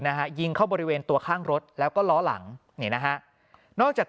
นะฮะยิงเข้าบริเวณตัวข้างรถแล้วก็ล้อหลังนี่นะฮะนอกจาก